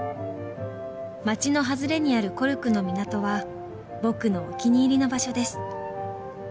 「町の外れにあるコルクの港は僕のお気に入りの場所です」